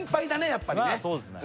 やっぱりねまあそうですね